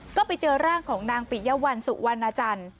ก็ไปเจอร่างของนางปิยวัลสุวรรณจันทร์